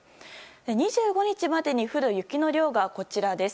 ２５日までに降る雪の量がこちらです。